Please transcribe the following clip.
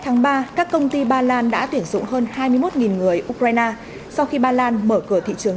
tháng ba các công ty ba lan đã tuyển dụng hơn hai mươi một người ukraine sau khi ba lan mở cửa thị trường